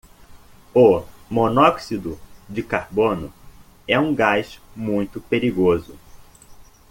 O monóxido de carbono é um gás muito perigoso.